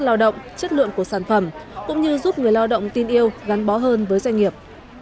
lao động chất lượng của sản phẩm cũng như giúp người lao động tin yêu gắn bó hơn với doanh nghiệp